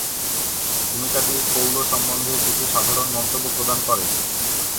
ভূমিকাটি Paul সম্বন্ধে কিছু সাধারণ মন্তব্য প্রদান করে।